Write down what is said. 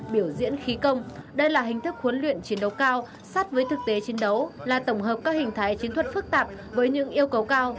biểu diễn khí công đây là hình thức huấn luyện chiến đấu cao sát với thực tế chiến đấu là tổng hợp các hình thái chiến thuật phức tạp với những yêu cầu cao